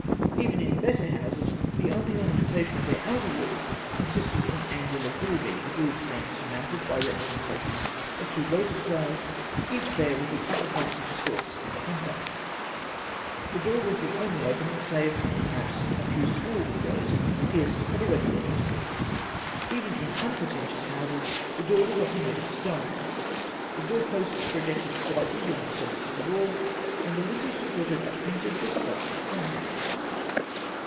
Even in better houses the only ornamentation of their outer walls consisted in angular grooving, the grooves being surmounted by representations of two lotus flowers, each pair with the upper parts of the stalks in contact (see figs. 24, 25). The door was the only opening, save perhaps a few small windows pierced at irregular intervals (fig. 6). Even in unpretentious houses, the door was often made of stone. The doorposts projected slightly beyond the surface of the wall, and the lintel supported a painted or sculptured cornice.